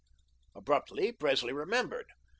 Abruptly Presley remembered.